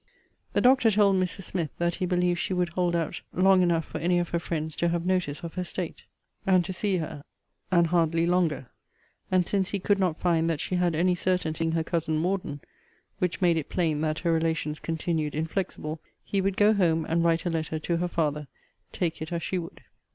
The doctor told Mrs. Smith, that he believed she would hold out long enough for any of her friends to have notice of her state, and to see her; and hardly longer; and since he could not find that she had any certainty of seeing her cousin Morden, (which made it plain that her relations continued inflexible,) he would go home, and write a letter to her father, take it as she would.